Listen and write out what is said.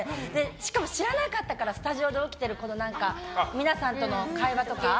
しかも知らなかったからスタジオで起きている皆さんとの会話とか。